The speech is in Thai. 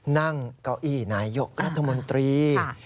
นั่งเก้าอี้นายยกรัฐมนตรี